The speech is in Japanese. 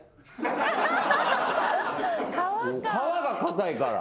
皮が硬いから。